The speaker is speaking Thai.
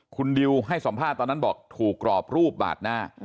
คุณดิวให้สัมภาษณ์ตอนนั้นบอกถูกกรอบรูปบาดหน้า